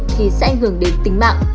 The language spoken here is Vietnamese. thì sẽ ảnh hưởng đến tính mạng